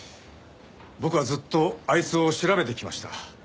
僕はずっとあいつを調べてきました。